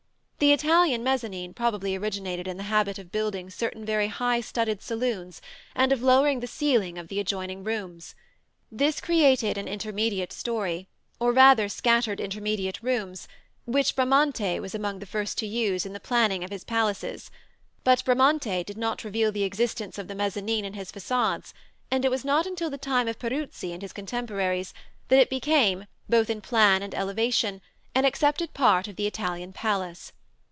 The Italian mezzanin probably originated in the habit of building certain very high studded saloons and of lowering the ceiling of the adjoining rooms. This created an intermediate story, or rather scattered intermediate rooms, which Bramante was among the first to use in the planning of his palaces; but Bramante did not reveal the existence of the mezzanin in his façades, and it was not until the time of Peruzzi and his contemporaries that it became, both in plan and elevation, an accepted part of the Italian palace.